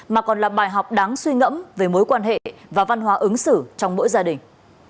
mà còn là bài học đáng suy ngẫm về mối quan hệ và văn hóa ứng xử trong mỗi gia đình